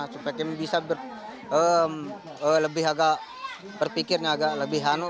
supaya kami bisa lebih agak berpikirnya agak lebih hanu